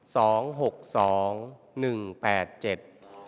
หกสองหนึ่งแปดเจ็ด